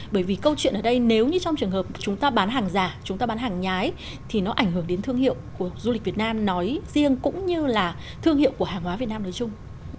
bởi vì câu chuyện ở đây nếu như trong trường hợp chúng ta bán hàng giả chúng ta bán hàng nhái thì nó ảnh hưởng đến thương hiệu của du lịch việt nam nói riêng cũng như là thương hiệu của hàng hóa việt nam nói chung